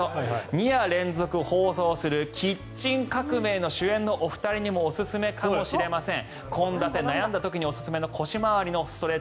２夜連続放送する「キッチン革命」の主演のお二人にもおすすめかもしれません。